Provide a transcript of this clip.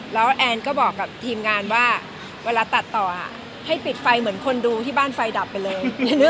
แล้วแอนก็บอกกับทีมงานว่าเวลาตัดต่อให้ปิดไฟเหมือนคนดูที่บ้านไฟดับไปเลย